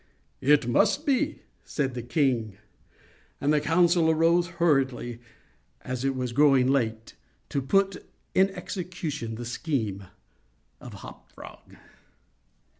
"It must be," said the king: and the council arose hurriedly (as it was growing late), to put in execution the scheme of Hop Frog.